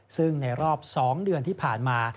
ซึ่งในรอบ๒เดือนที่ผ่านมา